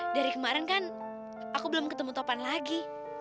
dari kemarin kan aku belum ketemu topan lagi